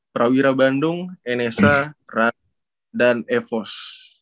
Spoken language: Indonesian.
prawira bandung nsh ranz dan evos